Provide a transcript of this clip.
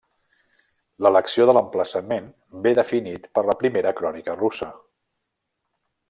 L'elecció de l'emplaçament ve definit per la Primera Crònica russa.